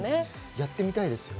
やってみたいですよね。